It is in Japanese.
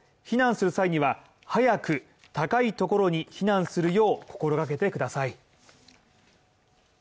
避難する際には、早く高いところに避難するよう心がけてください